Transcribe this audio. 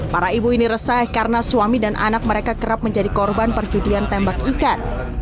para ibu ini resah karena suami dan anak mereka kerap menjadi korban perjudian tembak ikan